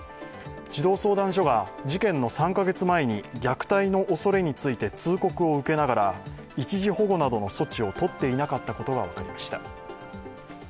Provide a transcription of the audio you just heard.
児童相談所が事件の３カ月前に虐待のおそれについて通告を受けながら一時保護などの措置を取っていなかったことが分かりました。